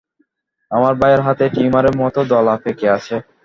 আমার ভাইয়ার হাতে টিউমারের মত দলা পেকে আছে।